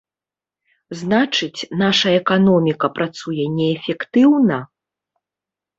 Значыць, наша эканоміка працуе неэфектыўна?